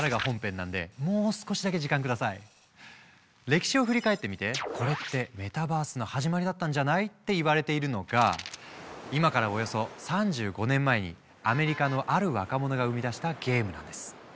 歴史を振り返ってみてこれってメタバースの始まりだったんじゃない？って言われているのが今からおよそ３５年前にアメリカのある若者が生み出したゲームなんです。